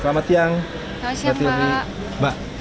selamat siang pak